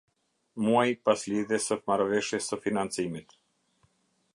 Muaj pas lidhjes së Marrëveshjes së Financimit.